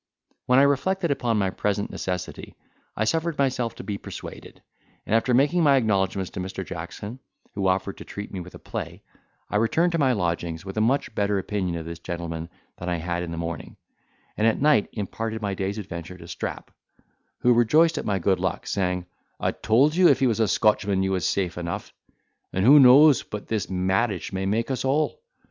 When I reflected upon my present necessity, I suffered myself to be persuaded, and after making my acknowledgments to Mr. Jackson, who offered to treat me with a play, I returned to my lodgings with a much better opinion of this gentleman than I had in the morning; and at night imparted my day's adventure to Strap, who rejoiced at my good luck, saying, "I told you if he was a Scotchman you was safe enough—and who knows but this marriage may make us all.